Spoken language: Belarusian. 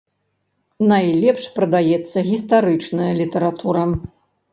Найлепш прадаецца гістарычная літаратура.